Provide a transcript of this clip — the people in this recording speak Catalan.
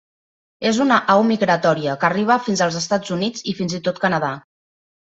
És una au migratòria que arriba fins als Estats Units i fins i tot Canadà.